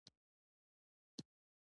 ګاونډي ته د ښه اخلاقو مثال وګرځه